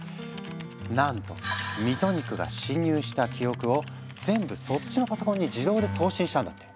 なんとミトニックが侵入した記録を全部そっちのパソコンに自動で送信したんだって。